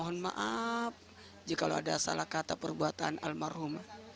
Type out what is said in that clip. mohon maaf jika ada salah kata perbuatan almarhum